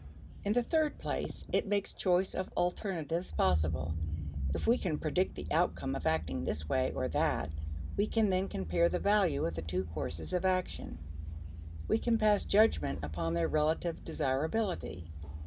In the third place, it makes choice of alternatives possible. If we can predict the outcome of acting this way or that, we can then compare the value of the two courses of action; we can pass judgment upon their relative desirability.